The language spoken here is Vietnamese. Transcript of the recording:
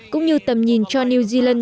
cũng như tầm nhìn cho new zealand